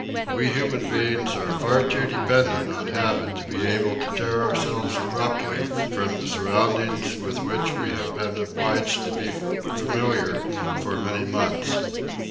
We human beings are far too dependent on habit to be able to tear ourselves abruptly from the surroundings with which we have been obliged to be familiar for many months.